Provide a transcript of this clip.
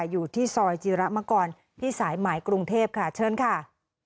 อยู่ที่ซอยจิระมกรที่สายหมายกรุงเทพค่ะเชิญค่ะ